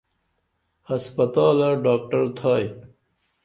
ہسپتالہ ڈاکڑ تھائی؟